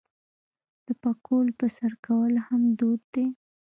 د پکول په سر کول هم دود دی.